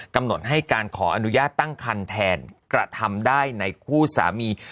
กำหนดให้การขออนุญาตตั้งคันแทนกระทำได้ในคู่สามี